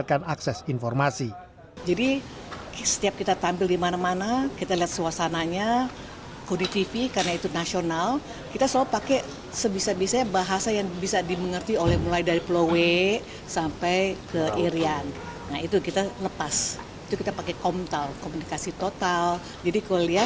dan mendapatkan akses informasi